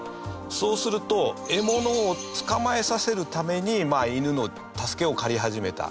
そうすると獲物を捕まえさせるために犬の助けを借り始めた。